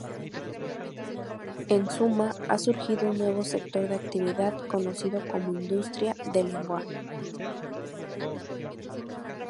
En suma, ha surgido un nuevo sector de actividad, conocido como industria del lenguaje.